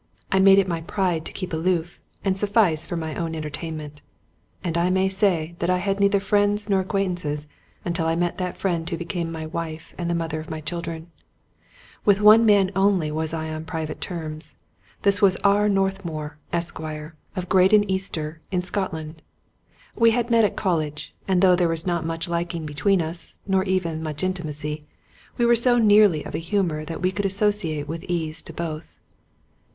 I made it my pride to keep aloof and suffice for my own entertain ment; and I may say that I had neither friends nor ac quaintances until I met that friend who became my wife and the mother of my children. With one man only was I on private terms; this was R. Northmour, Esquire, of Graden Easter, in Scotland. We had met at college; and though there was not much liking between us, nor even much intimacy, we were so nearly of a humor that we could associate with ease to both.